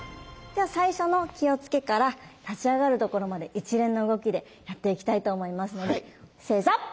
では最初の気をつけから立ち上がるところまで一連の動きでやっていきたいと思いますので正座！